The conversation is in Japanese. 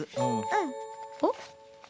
うんおっ？